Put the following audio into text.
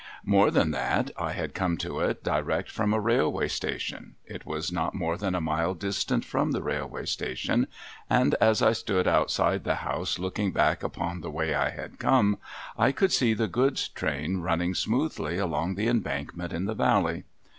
jNIore than that : I had come to it direct from a railway station : it was not more than a mile distant from the railway station ; and, as I stood outside the house, looking back upon the way I had come, I could see the goods train running smoothly along the embankment in the valley.